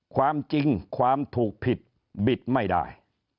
ความจริงความถูกผิดบิดไม่ได้